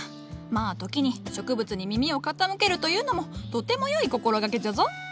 まあ時に植物に耳を傾けるというのもとても良い心掛けじゃぞ。